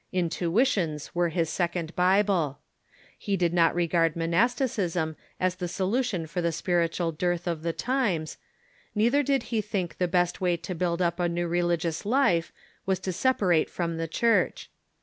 Intuitions were his second Bible. He did not regard monasticism as the solution for the spiritual dearth of the times ; neither did he think the best way to build up a new religious life was to separate from the Church.